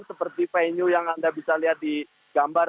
seperti venue yang anda bisa lihat di gambar